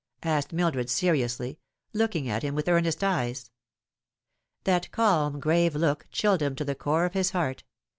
asked Mildred seriously, looking at hi.n with earnest eyes. That calm, grave look chilled him to the core of his heart.